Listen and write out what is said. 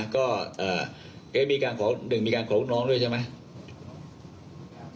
ก็มีการขอหนึ่งมีการขอลูกน้องด้วยใช่ไหม